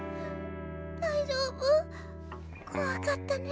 大丈夫？怖かったね。